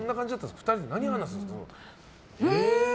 ２人で何話すんですか？